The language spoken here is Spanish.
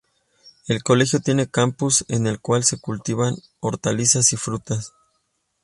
El colegio tiene campus, en el cual se cultivan hortalizas y frutas.